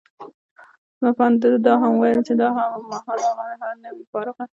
زما په اند، ده دا هم وویل چي دا مهال هغه، نه وي فارغه.